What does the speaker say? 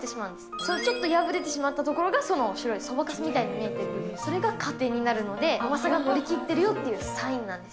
それちょっと破れてしまったところが、その白いそばかすみたいに見えてる部分、それが果点になるので、甘さが乗りきってるよというサインなんです。